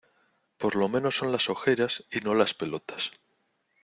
por lo menos son las ojeras y no las pelotas